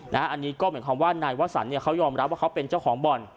เหมือนคำว่านายวัสสันยอมรับว่าเขาเป็นเจ้าของบ่อน